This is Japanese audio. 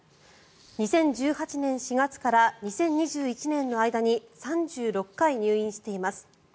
２０１８年４月から２０２１年の間に３６回入院しています。